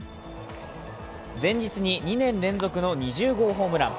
前日に２年連続の２０号ホームラン。